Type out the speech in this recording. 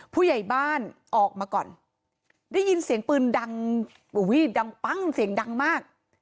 ผู้ใหญ่บ้านออกมาก่อนได้ยินเสียงปืนดังอุ้ยดังปั้งเสียงดังมาก